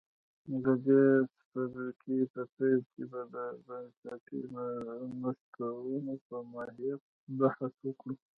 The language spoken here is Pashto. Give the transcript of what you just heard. د دې څپرکي په پیل کې به د بنسټي نوښتونو پر ماهیت بحث وکړو